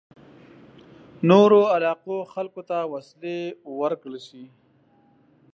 نورو علاقو خلکو ته وسلې ورکړل شي.